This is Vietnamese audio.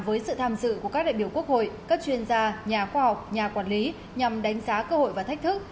với sự tham dự của các đại biểu quốc hội các chuyên gia nhà khoa học nhà quản lý nhằm đánh giá cơ hội và thách thức